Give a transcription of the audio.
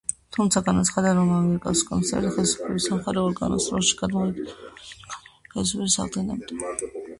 თუმცა, განაცხადა, რომ ამიერკავკასიის კომისარიატი ხელისუფლების სამხარეო ორგანოს როლში გამოვიდოდა რუსეთში კანონიერი ხელისუფლების აღდგენამდე.